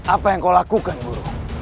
apa yang kau lakukan buruh